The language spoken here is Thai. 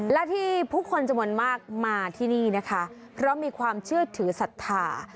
และที่ผู้คนจำนวนมากมาที่นี่นะคะเพราะมีความเชื่อถือศรัทธา